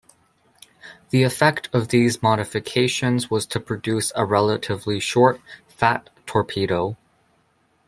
The effect of these modifications was to produce a relatively short, "fat" torpedo.